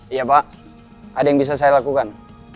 iya pak ada yang bisa saya lakukan